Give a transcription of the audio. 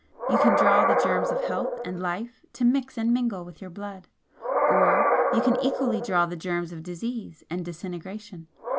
You can draw the germs of health and life to mix and mingle with your blood or you can equally draw the germs of disease and disintegration.